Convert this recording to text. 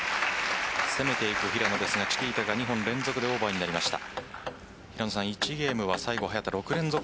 攻めていく平野ですがチキータが２本連続でオーバーになりました。